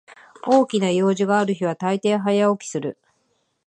大きな用事がある日はたいてい早起きする